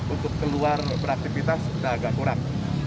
untuk keluar beraktivitas sudah agak kurang